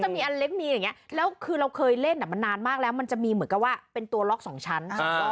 ที่เราเคยเล่นแล้วที่มันนานมากแล้วมันจะเหมือนจะเป็นรอล็อกสองชั้น